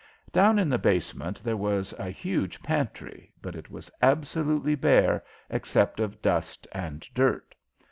Down in the basement there was a huge pantry, but it was absolutely bare, except of dust and dirt.